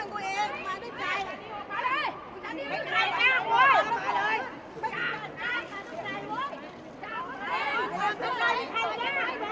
มีหลักผิดจากนานอัลกรุง